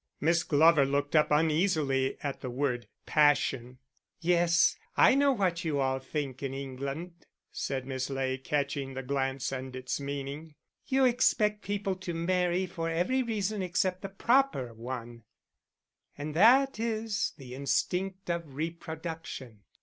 Miss Glover looked up uneasily at the word passion. "Yes, I know what you all think in England," said Miss Ley, catching the glance and its meaning. "You expect people to marry from every reason except the proper, one and that is the instinct of reproduction."